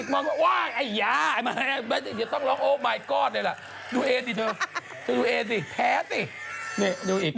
เมื่อแมทริก